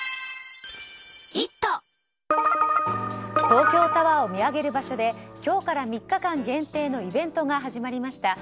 東京タワーを見上げる場所で今日から３日間限定のイベントが始まりました。